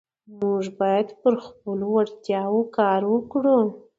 موږ باید پر خپلو وړتیاوو کار وکړو